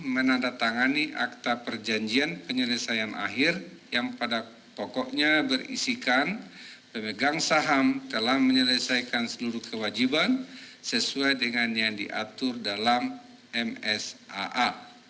menandatangani akta perjanjian penyelesaian akhir yang pada pokoknya berisikan pemegang saham telah menyelesaikan seluruh kewajiban sesuai dengan yang diatur dalam msaa